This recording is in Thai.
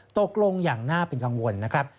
ตกลงอย่างน่าเป็นกังวลนะครับ